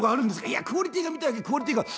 「いやクオリティーが見たいわけクオリティーが。